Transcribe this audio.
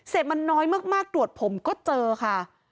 มันน้อยมากตรวจผมก็เจอค่ะ